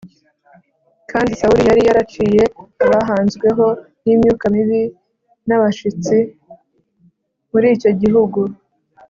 kandi sawuli yari yaraciye abahanzweho n’imyuka mibi n’abashitsi muri icyo gihugu